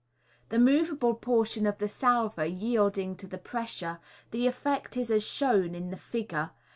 The moveable portion of the salver yielding to the pressure, the effect is as shown in the figure (Fig.